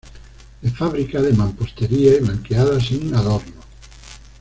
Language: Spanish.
De fábrica de mampostería y blanqueada sin adornos.